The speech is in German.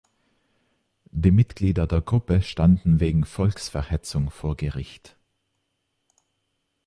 Die Mitglieder der Gruppe standen wegen Volksverhetzung vor Gericht.